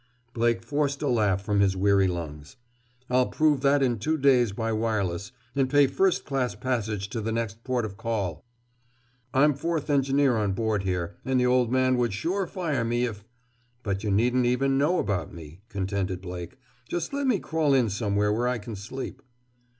Blake forced a laugh from his weary lungs. "I'll prove that in two days by wireless—and pay first class passage to the next port of call!" "I'm fourth engineer on board here, and the Old Man would sure fire me, if—" "But you needn't even know about me," contended Blake. "Just let me crawl in somewhere where I can sleep!"